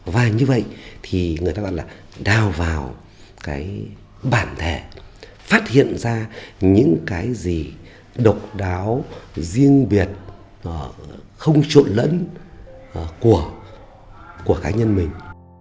và như vậy thì người ta gọi là đào vào cái bản thể phát hiện ra những cái gì độc đáo riêng biệt không trộn lẫn của cá nhân mình